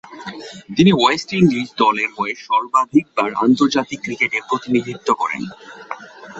তিনি West Indies দলের হয়ে সর্বাধিকবার আন্তর্জাতিক ক্রিকেটে প্রতিনিধিত্ব করেন।